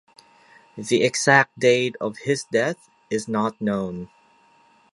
The exact date of his death is not known.